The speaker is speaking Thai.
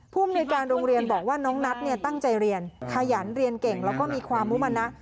ภูมิในการโรงเรียนบอกว่าน้องนัทตั้งใจเรียนขยันเรียนเก่งแล้วก็มีความมุมนะ